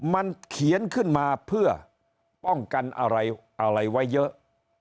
มันเขียนขึ้นมาเพื่อป้องกันอะไรไว้เยอะ